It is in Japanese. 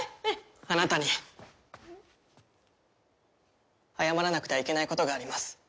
あなたに謝らなくてはいけないことがあります。